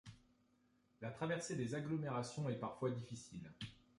La traversée des agglomérations est parfois difficile.